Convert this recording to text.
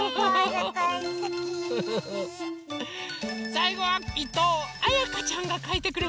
さいごはいとうあやかちゃんがかいてくれました。